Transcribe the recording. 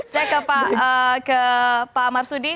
saya ke pak marsudi